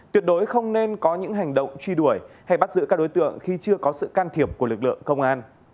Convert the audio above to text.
tuyệt đối không nên có những hành động truy đuổi hay bắt giữ các đối tượng khi chưa có sự can thiệp của lực lượng công an